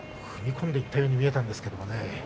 踏み込んでいったように見えたんですよね。